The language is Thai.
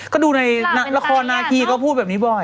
ก็ดูเรื่องละครงานที่ก็พูดแบบนี้บ่อย